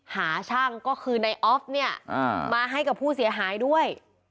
หาช่างก็คือในออฟเนี่ยมาให้กับผู้เสียหายด้วย